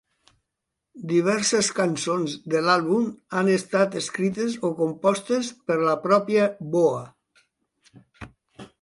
Diverses cançons de l'àlbum han estat escrites o compostes per la pròpia BoA.